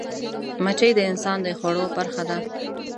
مچمچۍ د انسان د خوړو برخه ده